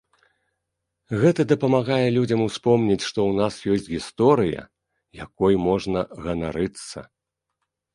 Гэта дапамагае людзям успомніць, што ў нас ёсць гісторыя, якой можна ганарыцца.